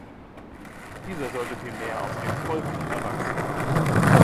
Dieser sollte vielmehr „aus dem Volk“ erwachsen.